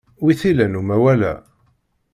Wi t-ilan umawal-a?